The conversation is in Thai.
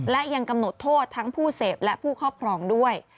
และยังกำหนดโทษทั้งผู้เสพและผู้ครอบครองด้วย